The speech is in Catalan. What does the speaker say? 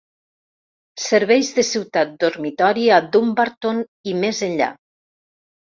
Serveix de ciutat dormitori a Dumbarton i més enllà.